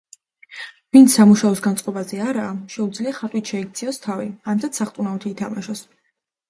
ვინც სამუშაოს განწყობაზე არაა, შეუძლია ხატვით შეიქციოს თავი, ანდაც სახტუნაოთი ითამაშოს.